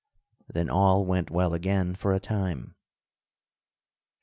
Then all went well again for a time.